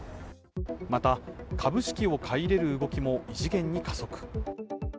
また、株式を買い入れる動きも異次元に加速。